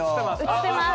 映ってます。